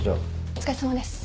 お疲れさまです。